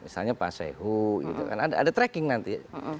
misalnya pak sehu ada tracking nanti